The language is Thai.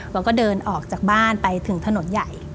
แล้วก็เดินออกจากบ้านไปถึงถนนใหญ่